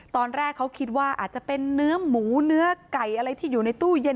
ตอนแรกเขาคิดว่าอาจจะเป็นเนื้อหมูเนื้อไก่อะไรที่อยู่ในตู้เย็น